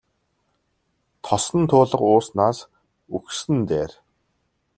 Тосон туулга ууснаас үхсэн нь дээр.